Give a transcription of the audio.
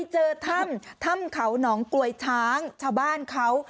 เจอถ้ำถ้ำเขาหนองกลวยช้างชาวบ้านเขา